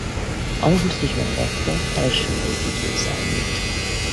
Augusztusban aratta első légi győzelmét.